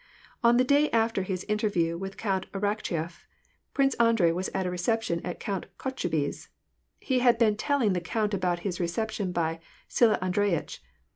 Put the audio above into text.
On the day after his interview with Count Arakcheyef, Prince Andrei was at a reception at Count Kotchubey's. He had been telling the count about his reception by "Sila An dreyitch."